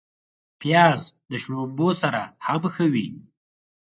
پیاز د شړومبو سره هم ښه وي